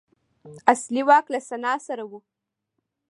اصلي واک له سنا سره و.